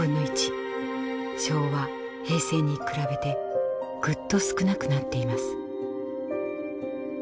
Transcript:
昭和・平成に比べてぐっと少なくなっています。